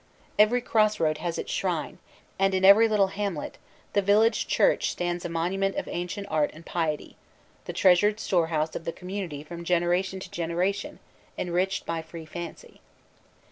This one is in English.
Every cross road has its shrine, and in every little hamlet the village church stands a monument of ancient art and piety, the treasured storehouse of the community from generation to generation, enriched by free fancy.